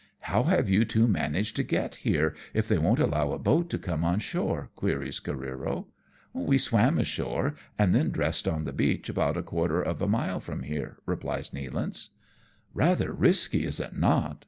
''How have you two managed to get here if they won't allow a boat to come on shore?" queries Careero. '• We swam ashore, and then dressed on the beach about a quarter of a mile from here/' replies Neal ance. " Eather risky, is it not